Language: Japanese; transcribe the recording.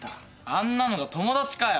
あんなのが友達かよ？